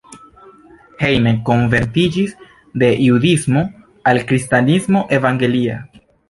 Heine konvertiĝis de judismo al kristanismo evangelia.